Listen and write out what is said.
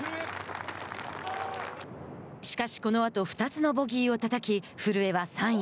しかし、このあと２つのボギーをたたき古江は３位。